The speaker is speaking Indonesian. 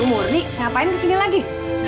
bu murni ngapain ke sini lagi